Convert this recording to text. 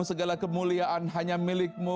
segala kemuliaan hanya milikmu